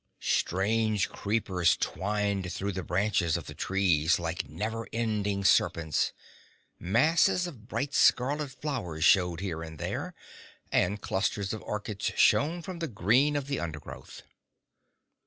Strange creepers twined through the branches of the trees, like never ending serpents; masses of bright scarlet flowers showed here and there, and clusters of orchids shone from the green of the undergrowth.